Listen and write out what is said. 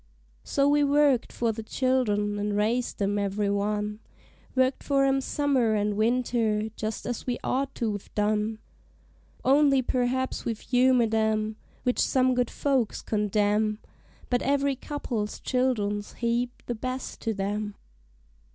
So we worked for the child'rn, and raised 'em every one; Worked for 'em summer and winter, just as we ought to 've done; Only perhaps we humored 'em, which some good folks condemn, But every couple's child'rn 's heap the best to them.